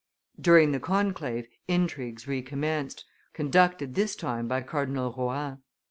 During the conclave intrigues recommenced, conducted this time by Cardinal Rohan.